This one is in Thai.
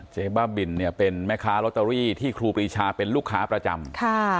บ้าบินเนี่ยเป็นแม่ค้าลอตเตอรี่ที่ครูปรีชาเป็นลูกค้าประจำ